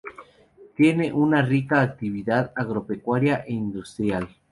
Tiene una rica actividad agropecuaria e industrial.